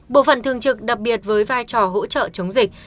bộ phận thường trực đặc biệt với vai trò hỗ trợ chống dịch